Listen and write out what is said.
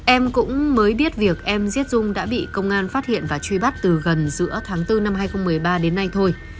em cũng mới biết việc em giết dung đã bị công an phát hiện và truy bắt từ gần giữa tháng bốn năm hai nghìn một mươi ba đến nay thôi